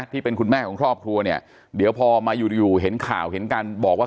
ที่เป็นคุณแม่ของครอบครัวเนี่ยเดี๋ยวพอมาอยู่อยู่เห็นข่าวเห็นการบอกว่า